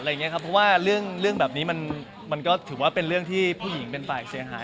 เพราะว่าเรื่องแบบนี้มันก็ถือว่าเป็นเรื่องที่ผู้หญิงเป็นฝ่ายเสียหาย